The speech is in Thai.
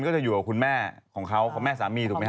เงินก็จะอยู่กับคุณแม่สามี